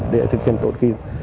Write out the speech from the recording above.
để thực hiện tốt kỳ